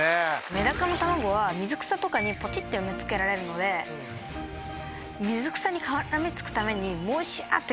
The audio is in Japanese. メダカの卵は水草とかにポチっと産み付けられるので水草に絡みつくためにモシャ！って